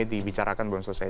dibicarakan belum selesai